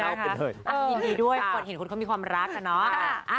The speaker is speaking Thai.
ยินดีด้วยคนเห็นคนเขามีความรักอะเนาะ